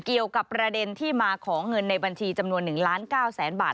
เกี่ยวกับประเด็นที่มาของเงินในบัญชีจำนวน๑ล้าน๙แสนบาท